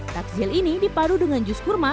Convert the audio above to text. takjil ini dipadu dengan jus kurma